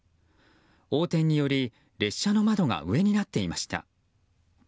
横転により列車の窓が上になっていました。